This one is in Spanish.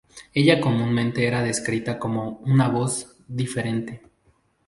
Ella comúnmente era descrita como una voz 'diferente'.